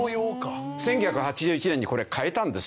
１９８１年にこれ変えたんですよ。